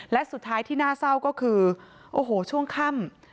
และสุดท้ายที่น่าเศร้าก็คือโอ้โหช่วงค่ำ